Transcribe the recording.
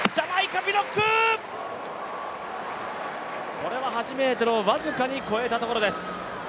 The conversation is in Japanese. これは８ｍを僅かに越えたところです。